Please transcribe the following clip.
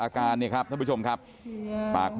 พี่สาวของเธอบอกว่ามันเกิดอะไรขึ้นกับพี่สาวของเธอ